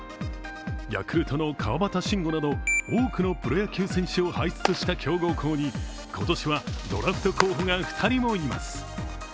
ヤクルトの川端慎吾など多くのプロ野球選手を輩出した強豪校に今年はドラフト候補が２人もいます。